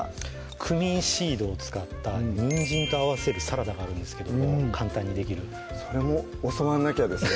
クミンシードを使ったにんじんと合わせるサラダがあるんですけども簡単にできるそれも教わんなきゃですね